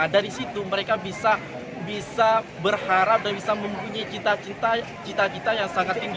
dari situ mereka bisa berharap dan bisa mempunyai cita cita yang sangat tinggi